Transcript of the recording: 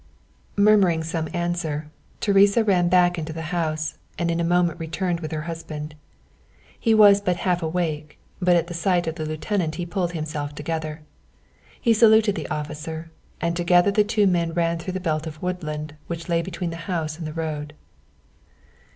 Murmuring some answer, Teresa ran back into the house, and in a moment returned with her husband. He was but half awake, but at the sight of the lieutenant he pulled himself together. He saluted the officer, and together the two men ran through the belt of woodland which lay between the house and the road.